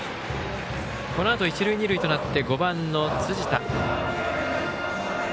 このあと一、二塁となって５番の辻田。